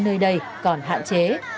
nhưng nơi đây còn hạn chế